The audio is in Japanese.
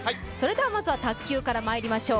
まずは卓球からまいりましょう。